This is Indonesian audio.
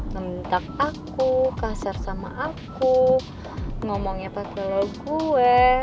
ngementak aku kasar sama aku ngomongnya pake lolol gue